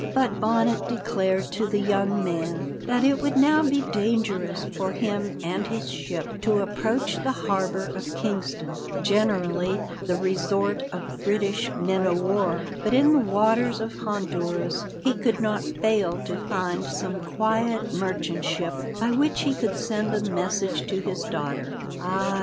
But Bonnet declared to the young man that it would now be dangerous for him and his ship to approach the harbour of Kingston, generally the resort of British men of war, but in the waters of Honduras he could not fail to find some quiet merchant ship by which he could send a message to his daughter. Ay!